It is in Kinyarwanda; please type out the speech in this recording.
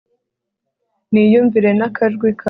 niyumvire n'akajwi kawe